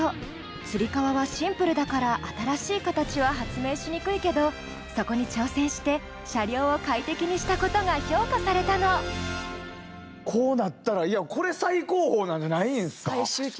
つり革はシンプルだから新しいカタチは発明しにくいけどそこに挑戦して車両を快適にしたことが評価されたのこうなったらこれ最高峰なんじゃないんですか？